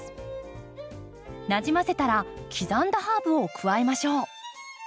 なじませたら刻んだハーブを加えましょう。